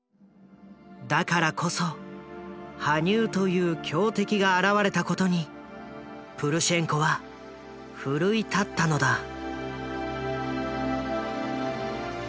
だからこそ羽生という強敵が現れたことにプルシェンコは奮い立ったのだ。